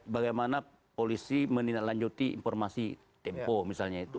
bagaimana polisi menindaklanjuti informasi tempo misalnya itu